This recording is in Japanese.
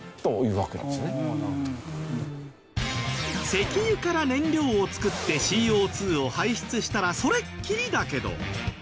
石油から燃料を作ってＣＯ２を排出したらそれっきりだけど。